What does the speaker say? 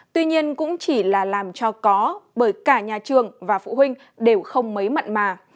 tuy nhiên cũng chỉ là làm cho có bởi cả nhà trường và phụ huynh đều không mấy mặn mà